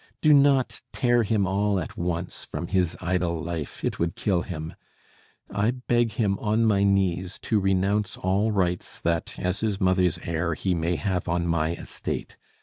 Do not tear him all at once from his idle life, it would kill him. I beg him on my knees to renounce all rights that, as his mother's heir, he may have on my estate.